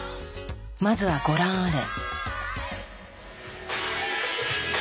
まずはご覧あれ。